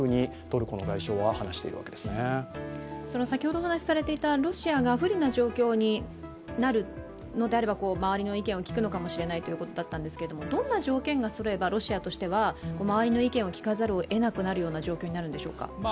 先ほどお話しされていたロシアが不利な状況になるのではあれば周りの意見を聞くのかもしれないということだったんですけどどんな条件がそろえばロシアとしては周りの意見を聞かざるをえない状況になるんでしょうか？